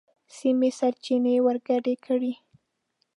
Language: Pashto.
سمې سرچينې ورګډې کړئ!.